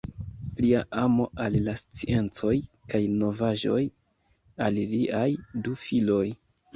Lia amo al la sciencoj kaj novaĵoj pasis al liaj du filoj.